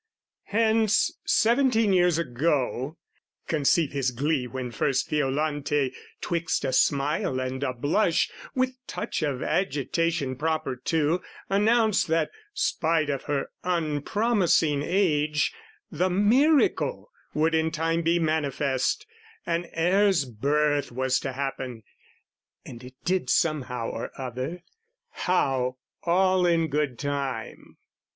Hence, seventeen years ago, conceive his glee When first Violante, 'twixt a smile and a blush, With touch of agitation proper too, Announced that, spite of her unpromising age, The miracle would in time be manifest, An heir's birth was to happen: and it did. Somehow or other, how, all in good time!